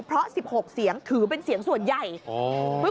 เพราะ๑๖เสียงถือเป็นเสียงส่วนใหญ่